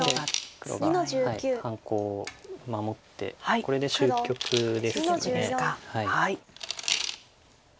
黒が半コウを守ってこれで終局です。